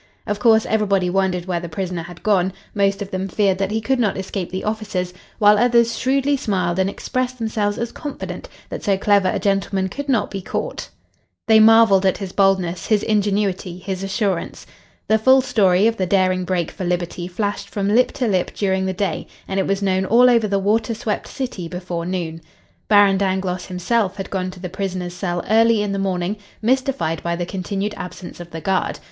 Of course, everybody wondered where the prisoner had gone; most of them feared that he could not escape the officers, while others shrewdly smiled and expressed themselves as confident that so clever a gentleman could not be caught. They marveled at his boldness, his ingenuity, his assurance. The full story of the daring break for liberty flashed from lip to lip during the day, and it was known all over the water swept city before noon. Baron Dangloss, himself, had gone to the prisoner's cell early in the morning, mystified by the continued absence of the guard.